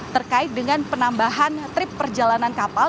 terkait dengan penambahan trip perjalanan kapal